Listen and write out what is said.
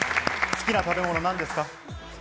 好きな食べ物はなんですか？